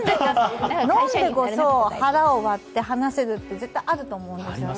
飲んでこそ腹を割って話せるって、絶対あると思うんですね。